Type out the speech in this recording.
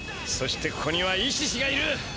そしてここにはイシシがいる。